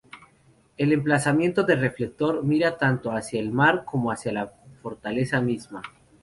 El emplazamiento de reflector mira tanto hacia el mar como hacia la fortaleza misma.